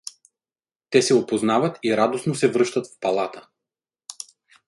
Те се опознават и радостно се връщат в палата.